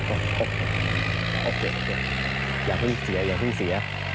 โอเคโอเคอย่าเพิ่งเสียอย่าเพิ่งเสีย